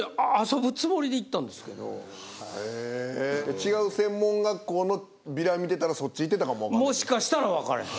違う専門学校のビラ見てたらそっち行ってたかもわかんない。